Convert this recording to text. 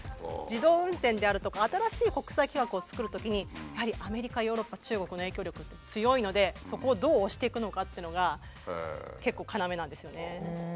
自動運転であるとか新しい国際規格を作るときにやはりアメリカヨーロッパ中国の影響力って強いのでそこをどう押していくのかっていうのが結構要なんですよね。